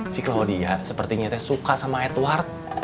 si claudia sepertinya suka sama edward